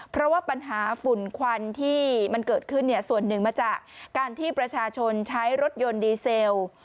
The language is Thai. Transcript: เพราะว่าปัญหาฝุ่นควันที่มันเกิดขึ้นเนี่ยส่วนหนึ่งมาจากการที่ประชาชนใช้รถยนต์ดีเซล